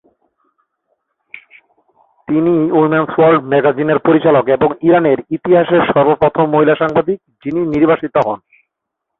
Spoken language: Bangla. তিনি "উইমেনস ওয়ার্ল্ড ম্যাগাজিনের" পরিচালক এবং ইরানের ইতিহাসে প্রথম মহিলা সাংবাদিক যিনি নির্বাসিত হন।